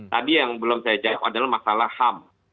tadi yang belum saya jawab adalah masalah ham